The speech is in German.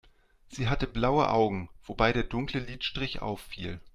Sie hatte blaue Augen, wobei der dunkle Lidstrich auffiel.